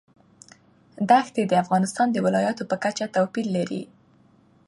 دښتې د افغانستان د ولایاتو په کچه توپیر لري.